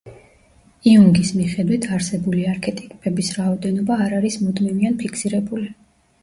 იუნგის მიხედვით, არსებული არქეტიპების რაოდენობა არ არის მუდმივი ან ფიქსირებული.